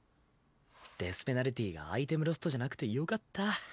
デスペナルティがアイテムロストじゃなくてよかった。